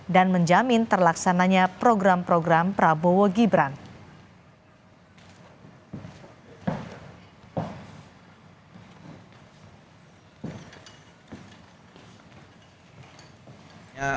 dan menjamin terlaksananya program program prabowo gibran